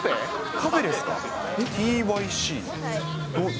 カフェですか。